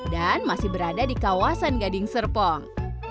dan masih berada di kawasan gading serpong